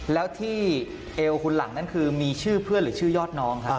แล้วที่เอวคุณหลังนั้นคือมีชื่อเพื่อนหรือชื่อยอดน้องครับ